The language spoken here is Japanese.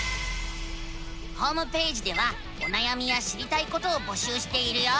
ホームページではおなやみや知りたいことを募集しているよ。